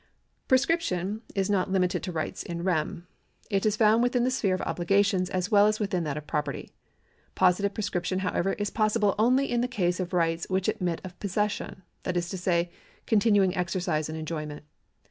Prescription is not limited to rights in rem,. It is found within the sphere of obligations as well as within that of property. Positive prescription, however, is possible only in the case of rights which admit of possession — that is to say, continuing exercise and enjoyment.